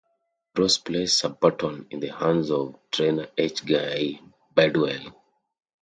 Ross placed Sir Barton in the hands of trainer H. Guy Bedwell.